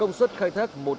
ờ nó lở khuẩn thế đấy